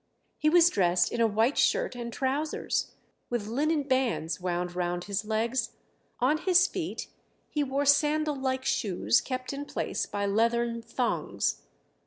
He was dressed in a white shirt and trousers, with linen bands wound round his legs; on his feet he wore sandal like shoes kept in place by leathern thongs.